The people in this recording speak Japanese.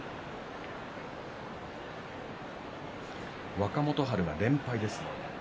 若元春は連敗です。